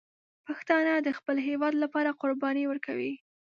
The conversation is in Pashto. پښتانه د خپل هېواد لپاره قرباني ورکوي.